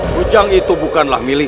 pujang itu bukanlah milik